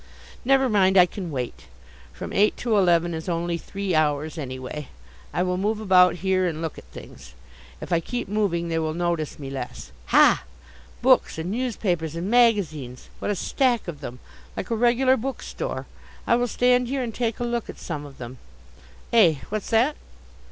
Never mind, I can wait. From eight to eleven is only three hours, anyway. I will move about here and look at things. If I keep moving they will notice me less. Ha! books and news papers and magazines what a stack of them! Like a regular book store. I will stand here and take a look at some of them. Eh! what's that?